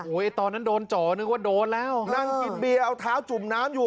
ตอนนั้นโดนเจาะนึกว่าโดนแล้วนั่งกินเบียร์เอาเท้าจุ่มน้ำอยู่